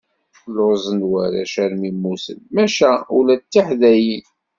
Lluẓen warrac armi mmuten, maca ula d tiḥdayin.